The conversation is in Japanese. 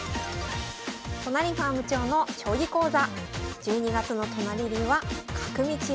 都成ファーム長の将棋講座。